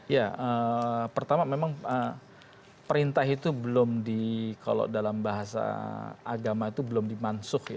ya pertama memang perintah itu belum di kalau dalam bahasa agama itu belum dimansuh ya